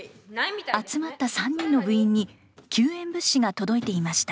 集まった３人の部員に救援物資が届いていました。